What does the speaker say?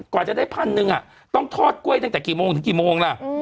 กว่าจะได้พันหนึ่งต้องทอดกล้วยตั้งแต่กี่โมงถึงกี่โมงล่ะ